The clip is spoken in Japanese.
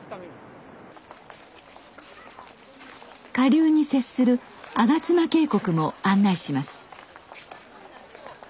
下流に接する吾妻渓谷も案内します。